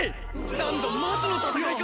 何だマジの戦いか！？